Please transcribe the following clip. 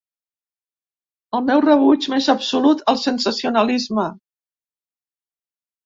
El meu rebuig més absolut al sensacionalisme.